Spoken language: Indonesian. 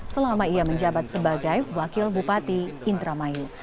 selama ia menjabat sebagai wakil bupati indramayu